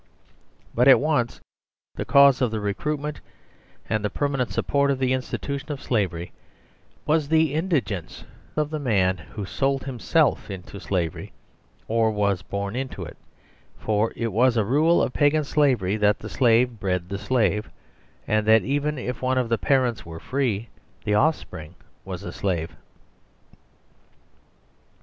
But at once the cause of the recruitment and the permanent support of theinstitution of slavery was the indigence of the man who sold himself into slavery, or was born into it ; for it was a rule of Pagan Slavery that the slave bred theslave, and that even if one of the parents were free the offspring was a slave.